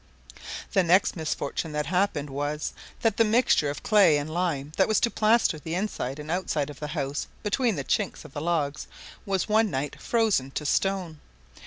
The next misfortune that happened, was, that the mixture of clay and lime that was to plaster the inside and outside of the house between the chinks of the logs was one night frozen to stone.